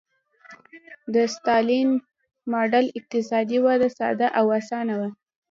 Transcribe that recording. د ستالین ماډل اقتصادي وده ساده او اسانه وه